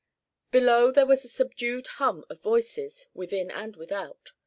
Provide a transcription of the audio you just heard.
Below there was a subdued hum of voices, within and without.